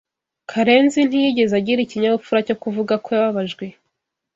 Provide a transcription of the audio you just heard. Karenzi ntiyigeze agira ikinyabupfura cyo kuvuga ko yababajwe.